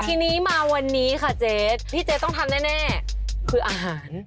ทีนี้มาวันนี้ค่ะเจ๊ที่เจ๊ต้องทำแน่คืออาหาร